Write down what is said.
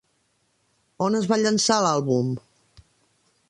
On es va llançar l'àlbum?